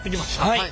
はい。